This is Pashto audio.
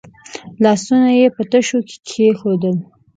لاسونه یې په تشو کې کېښودل.